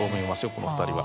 この２人は。